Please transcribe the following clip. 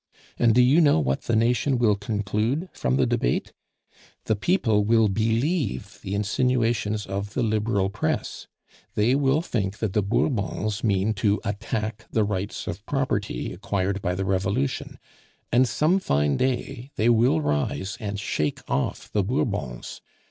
And do you know what the nation will conclude from the debate? The people will believe the insinuations of the Liberal press; they will think that the Bourbons mean to attack the rights of property acquired by the Revolution, and some fine day they will rise and shake off the Bourbons.